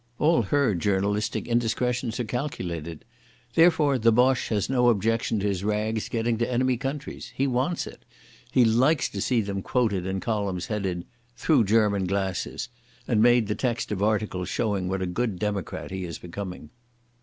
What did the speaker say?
All her journalistic indiscretions are calculated. Therefore the Boche has no objection to his rags getting to enemy countries. He wants it. He likes to see them quoted in columns headed "Through German Glasses", and made the text of articles showing what a good democrat he is becoming.